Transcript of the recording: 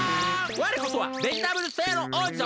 われこそはベジタブル星の王子さま